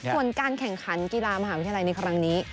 ส่วนการแข่งขันกีฬามหาวิทยาลัยในครั้งนี้